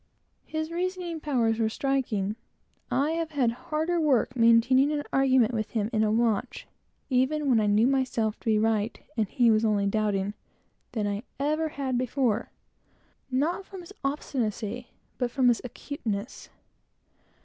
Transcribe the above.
His reasoning powers were remarkable. I have had harder work maintaining an argument with him in a watch, even when I knew myself to be right, and he was only doubting, than I ever had before; not from his obstinacy, but from his acuteness.